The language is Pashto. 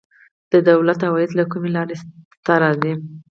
د دولت عواید له کومې لارې لاسته راځي؟